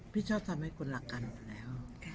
พี่ชอบทำให้คนรักกันอยู่แล้ว